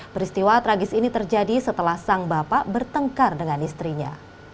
peristiwa tragis ini terjadi setelah sang bapak bertengkar dengan istrinya